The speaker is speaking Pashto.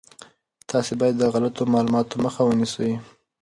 تاسي باید د غلطو معلوماتو مخه ونیسئ.